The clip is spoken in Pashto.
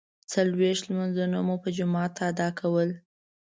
څلویښت لمانځونه مو په جماعت ادا کول.